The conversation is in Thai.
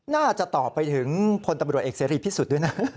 น่าจะตอบไปถึงพลตำรวจเอกเสรีพิสุทธิ์ด้วยนะ